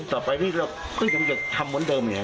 ต่อไปพี่จะทำเหมือนเดิมไหม